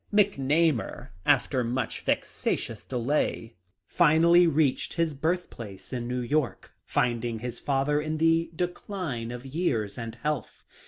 McNamar, after much vexatious delay, finally reached his birthplace in New York, finding his father in the decline of years and health.